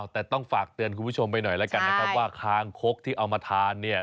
แต่ต้องฝากเตือนคุณผู้ชมไปหน่อยแล้วกันนะครับว่าคางคกที่เอามาทานเนี่ย